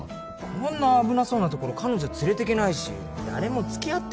こんな危なそうなところ彼女連れてけないし誰も付き合ってくんないんだもん。